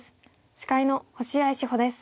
司会の星合志保です。